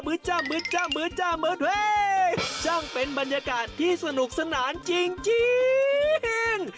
บืจจ้าบืดจ้าบืดจ้าเป็นบรรยากาศที่สนุกสนานจริง